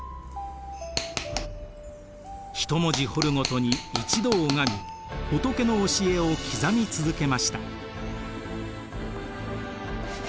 １文字彫るごとに一度拝み仏の教えを刻み続けました。